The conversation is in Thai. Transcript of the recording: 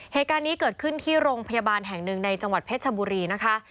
เหตุการณ์นี้เกิดขึ้นที่โรงพยาบาลแห่งหนึ่งในจังหวัดเพชรชบุรีนะคะ